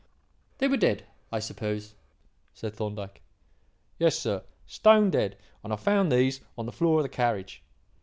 "They were dead, I suppose?" said Thorndyke. "Yes, sir. Stone dead; and I found these on the floor of the carriage."